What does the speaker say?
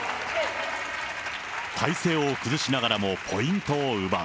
体勢を崩しながらもポイントを奪う。